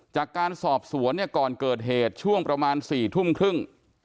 จากการสอบสวนเนี่ยก่อนเกิดเหตุช่วงประมาณ๔ทุ่มครึ่ง